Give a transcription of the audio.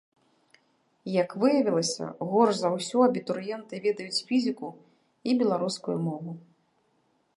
Як выявілася, горш за ўсё абітурыенты ведаюць фізіку і беларускую мову.